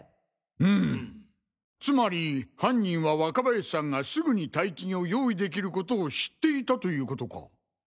うむつまり犯人は若林さんがすぐに大金を用意できることを知っていたということか。